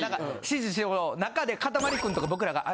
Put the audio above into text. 指示中でかたまり君とか僕らが。